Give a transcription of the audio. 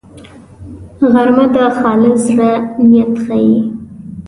غرمه د خالص زړه نیت ښيي